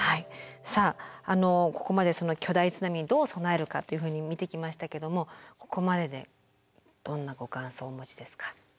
さあここまで巨大津波にどう備えるかというふうに見てきましたけどもここまででどんなご感想をお持ちですか？